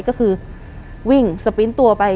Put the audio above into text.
ก็คือวิ่งสปริ้นต์ตัวไป